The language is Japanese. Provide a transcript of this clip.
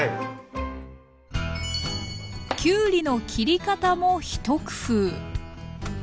きゅうりの切り方も一工夫。